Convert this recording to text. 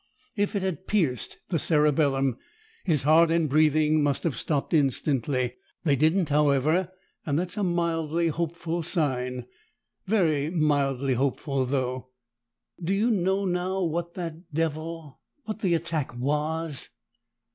If it had pierced the cerebellum, his heart and breathing must have stopped instantly. They didn't, however, and that's a mildly hopeful sign. Very mildly hopeful, though." "Do you know now what that devil what the attack was?"